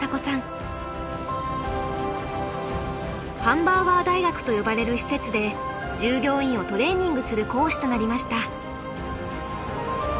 ハンバーガー大学と呼ばれる施設で従業員をトレーニングする講師となりました。